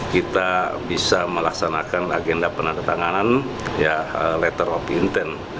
kita bisa melaksanakan agenda penanda tanganan letter on intent